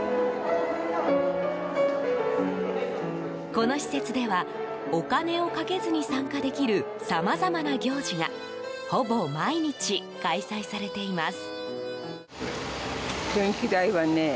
この施設ではお金をかけずに参加できるさまざまな行事がほぼ毎日、開催されています。